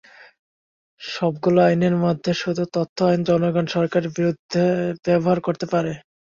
সবগুলো আইনের মধ্যে শুধু তথ্য আইন জনগণ সরকারের বিরুদ্ধে ব্যবহার করতে পারে।